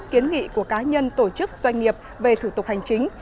kiến nghị của cá nhân tổ chức doanh nghiệp về thủ tục hành chính